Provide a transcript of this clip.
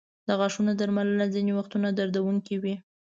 د غاښونو درملنه ځینې وختونه دردونکې وي.